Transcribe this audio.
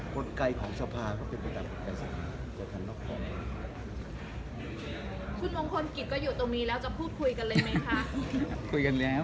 คุณมงคลกิศก็อยู่ตรงนี้แล้วจะพูดคุยกันเลยไหมคะ